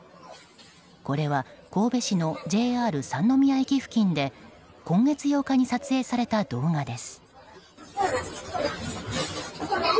これは神戸市のＪＲ三ノ宮駅付近で今月８日に撮影された動画です。